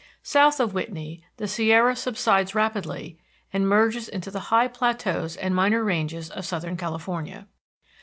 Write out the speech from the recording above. South of Whitney, the Sierra subsides rapidly and merges into the high plateaus and minor ranges of southern California.